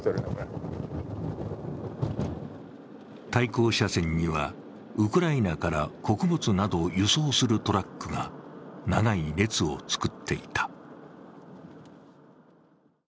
対向車線には、ウクライナから穀物などを輸送するトラックが長い列をつくっていた。